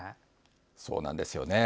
そうなんですよね。